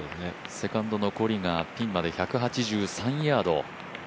セカンド残りがピンまで１８３ヤード。